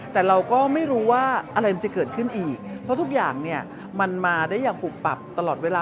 แต่เราก็ไม่รู้ว่าอะไรมันจะเกิดขึ้นอีกเพราะทุกอย่างเนี่ยมันมาได้อย่างปุบปับตลอดเวลา